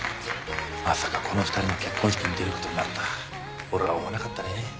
まさかこの２人の結婚式に出ることになるとは俺は思わなかったね。